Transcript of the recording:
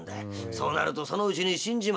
そうなるとそのうちに死んじまう。